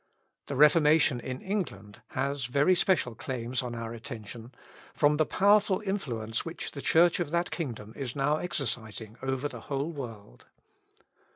The Reformation in England has very special claims on our attention, from the powerful influence which the Church of that kingdom is now exercising over the whole world.